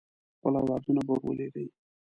خپل اولادونه به ور ولېږي.